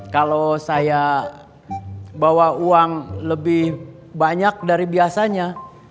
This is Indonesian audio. kalau saya bawa uang lebih banyak dari biasanya